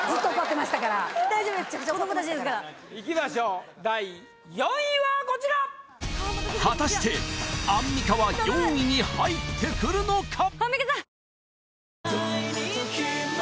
大丈夫です子ども達ですからいきましょう第４位はこちら果たしてアンミカは４位に入ってくるのか？